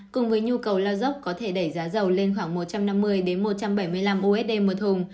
cùng với nhu cầu lao dốc có thể đẩy giá dầu lên khoảng một trăm năm mươi một trăm bảy mươi năm usd một thùng